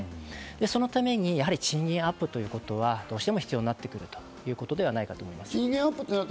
そのために賃金アップということはどうしても必要になってくるということではないかと思います。